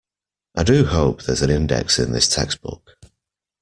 I do hope there's an index in this textbook.